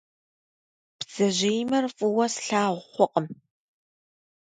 Бдзэжьеимэр фӏыуэ слъагъу хъукъым.